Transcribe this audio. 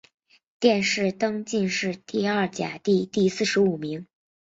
殿试登进士第二甲第四十五名。